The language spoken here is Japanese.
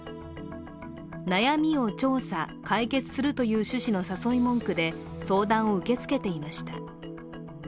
悩みを調査・解決するという趣旨の誘い文句で相談を受け付けていました。